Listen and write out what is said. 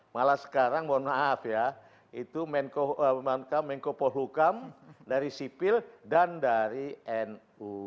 malah sekarang mohon maaf ya itu menko polhukam dari sipil dan dari nu